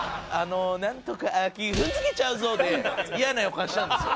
「なんとか秋ふんづけちゃうぞ」で嫌な予感したんですよ。